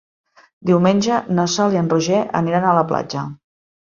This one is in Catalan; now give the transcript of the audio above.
Diumenge na Sol i en Roger aniran a la platja.